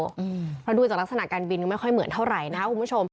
เพราะดูจากลักษณะการบินก็ไม่ค่อยเหมือนเท่าไหร่นะครับคุณผู้ชม